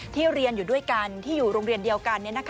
เรียนอยู่ด้วยกันที่อยู่โรงเรียนเดียวกัน